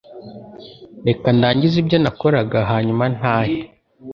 Reka ndangize ibyo nakoraga hanyuma ntahe